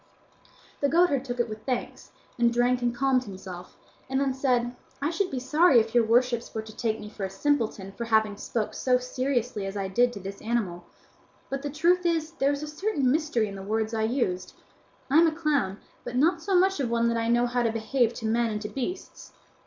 The goatherd took it with thanks, and drank and calmed himself, and then said, "I should be sorry if your worships were to take me for a simpleton for having spoken so seriously as I did to this animal; but the truth is there is a certain mystery in the words I used. I am a clown, but not so much of one but that I know how to behave to men and to beasts."